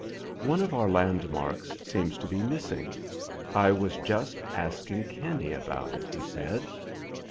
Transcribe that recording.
"One of our landmarks seems to be missing. I was just asking Kinney about it," he said.